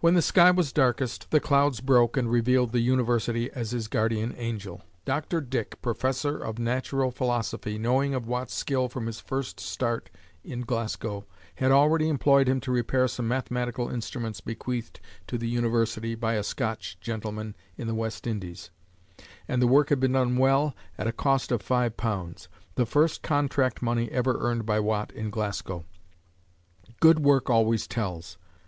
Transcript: When the sky was darkest, the clouds broke and revealed the university as his guardian angel. Dr. Dick, Professor of natural philosophy, knowing of Watt's skill from his first start in Glasgow, had already employed him to repair some mathematical instruments bequeathed to the university by a Scotch gentleman in the West Indies, and the work had been well done, at a cost of five pounds the first contract money ever earned by Watt in Glasgow. Good work always tells.